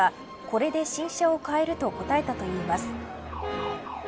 これで新車を買えると答えたといいます。